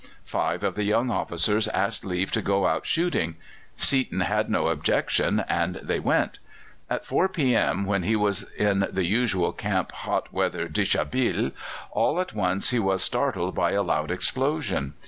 Five of the young officers asked leave to go out shooting. Seaton had no objection, and they went. At 4 p.m., when he was in the usual camp hot weather deshabille, all at once he was startled by a loud explosion.